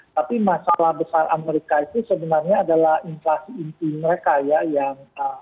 tapi masalah besar amerika itu sebenarnya adalah inflasi inti mereka ya yang